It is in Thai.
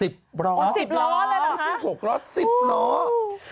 ๑๐ล้อเลยเหรอฮะไม่ใช่๖ล้อ๑๐ล้อ